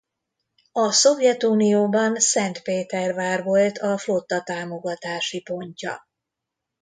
A Szovjetunióban Szentpétervár volt a flotta támogatási pontja.